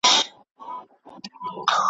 زه په نیمه شپه کي له باران سره راغلی وم `